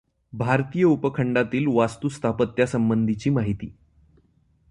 भारतीय उपखंडातील वास्तुस्थापत्यासंबंधीची माहिती.